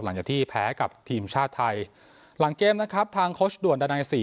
หลังจากที่แพ้กับทีมชาติไทยหลังเกมนะครับทางโค้ชด่วนดานัยสี่